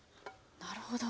なるほど。